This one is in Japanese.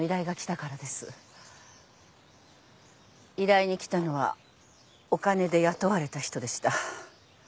依頼に来たのはお金で雇われた人でした。